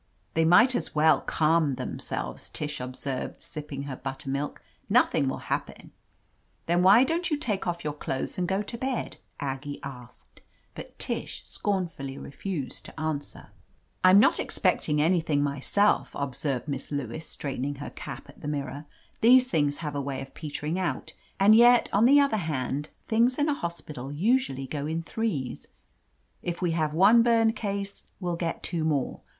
"They might as well calm themselves/' Tish observed, sipping her buttermilk. "Nothing will happen." "Then why don't you take off your clothes and go to bed ?" Aggie asked, but Tish scorn fully refused to answer. "I'm not expecting ansrthing myself," ob served Miss Lewis, straightening her cap at the mirror. "These things have a way of petering out — ^and yet, on the other hand, things in a hospital usually go in threes. If we have one burned case, we'll get two more.